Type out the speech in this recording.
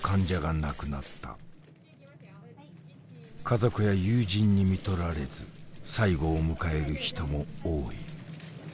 家族や友人にみとられず最期を迎える人も多い。